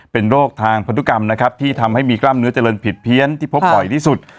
เป็นโรคทางพันธุกรรมนะครับที่ทำให้มีกล้ามเนื้อเจริญผิดเพี้ยนที่พบบ่อยที่สุด